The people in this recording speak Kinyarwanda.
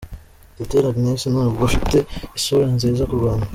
Teteri Agnes ntabwo afite isura nziza k’u Rwanda.